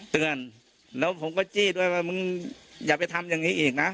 เตือนแล้วผมก็จี้ด้วยว่ามึงอย่าไปทำอย่างนี้อีกนะ